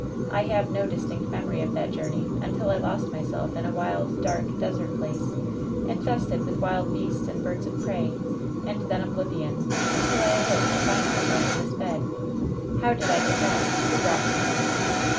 I have no distinct memory of that journey imtil I lost myself in a wild, dark, desert place, infested with wild beasts and birds of prey, and then oblivion, until I awoke to find myself in this bed. How did I get back ? Who brought me home